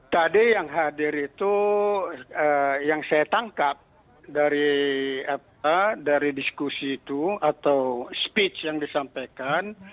tadi yang hadir itu yang saya tangkap dari diskusi itu atau speech yang disampaikan